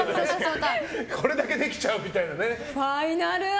これだけできちゃうみたいなね。